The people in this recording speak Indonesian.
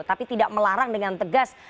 tapi tidak melarang dengan tegas